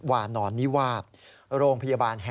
โรงพยาบาลวานอนนิวาดเราก็ไปสอบถามทีมแพทย์ของโรงพยาบาลวานอนนิวาด